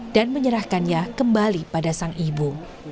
dan menyerahkannya kembali pada sang ibu